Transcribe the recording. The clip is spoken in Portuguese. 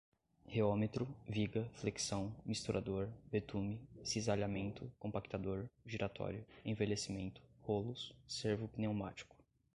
reômetro, viga, flexão, misturador, betume, cisalhamento, compactador giratório, envelhecimento, rolos, servo-pneumático